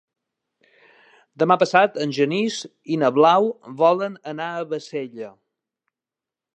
Demà passat en Genís i na Blau volen anar a Bassella.